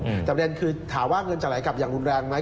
แต่ประเด็นคือถามว่าเงินจะไหลกลับอย่างรุนแรงไหม